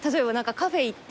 カフェだって。